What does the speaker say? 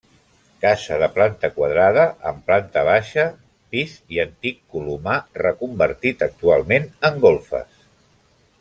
Casa de planta quadrada amb planta baixa, pis i antic colomar, reconvertit actualment en golfes.